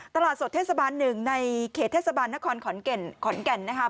ตลาดสดเทศบาล๑ในเขตเทศบาลนครขอนแก่นนะคะ